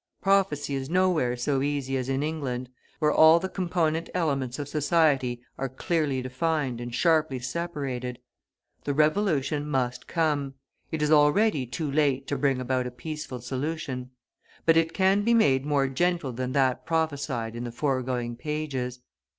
Prophecy is nowhere so easy as in England, where all the component elements of society are clearly defined and sharply separated. The revolution must come; it is already too late to bring about a peaceful solution; but it can be made more gentle than that prophesied in the foregoing pages.